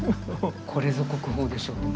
これぞ国宝でしょうね。